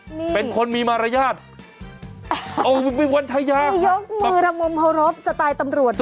นี่เป็นคนมีมารยาทเอามีวันทะยามียกมือระงมเคารพสไตล์ตำรวจด้วย